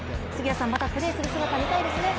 またプレーする姿、見たいですね。